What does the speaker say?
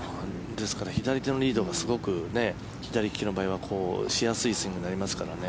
左手のリードが左利きの場合はしやすいスイングになりますからね。